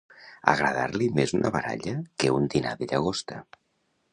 Agradar-li més una baralla que un dinar de llagosta.